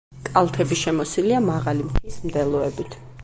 კალთები შემოსილია მაღალი მთის მდელოებით.